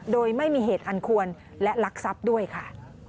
โดยไม่มีเหตุอันควรและลักทรัพย์ด้วยค่ะ